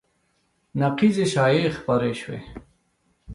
نقیضې شایعې خپرې شوې